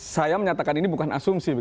saya menyatakan ini bukan asumsi